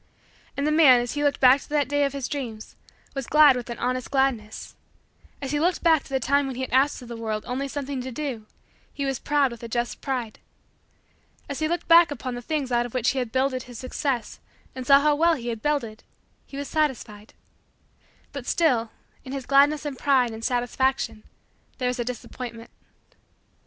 And the man, as he looked back to that day of his dreams, was glad with an honest gladness. As he looked back to the time when he had asked of the world only something to do, he was proud with a just pride. As he looked back upon the things out of which he had builded his Success and saw how well he had builded, he was satisfied. But still in his gladness and pride and satisfaction there was a disappointment.